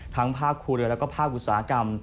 ทั้งภาคครูเรือและภาคอุตสาหกรรม